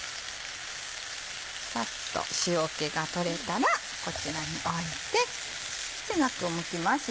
さっと塩気が取れたらこちらに置いてガクをむきます。